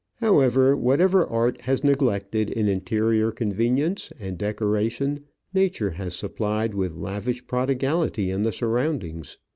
However, whatever art has neglected in interior convenience and decoration Nature has supplied with lavish prodigality in the surroundings.